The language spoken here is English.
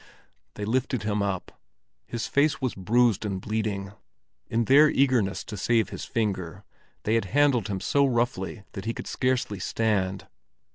They lifted him up. His face was bruised and bleeding; in their eagerness to save his finger, they had handled him so roughly that he could scarcely stand.